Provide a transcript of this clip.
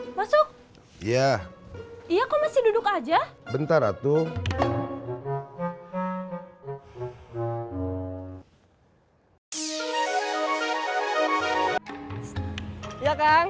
mati masuk iya iya kau masih duduk aja bentar atuh